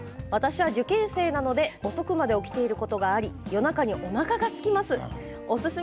受験生なので夜遅くまで起きていることがあって、夜中におなかがすきます。